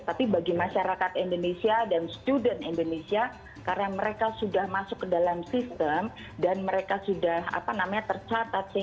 tapi bagi masyarakat indonesia dan student indonesia karena mereka sudah masuk ke dalam sistem dan mereka sudah tercatat